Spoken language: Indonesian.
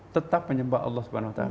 tetap menyembah allah swt